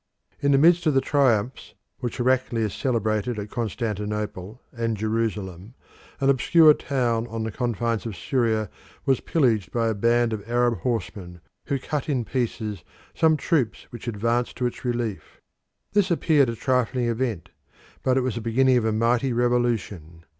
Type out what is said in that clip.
In the midst of the triumphs which Heraclius celebrated at Constantinople and Jerusalem, an obscure town on the confines of Syria was pillaged by a band of Arab horsemen, who cut in pieces some troops which advanced to its relief. This appeared a trifling event, but it was the beginning of a mighty revolution.